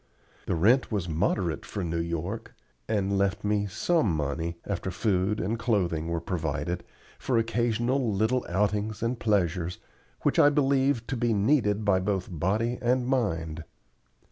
The rent was moderate for New York, and left me some money, after food and clothing were provided, for occasional little outings and pleasures, which I believe to be needed by both body and mind.